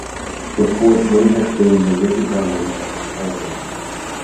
The fort may have been the Rigodunum of Ptolemy.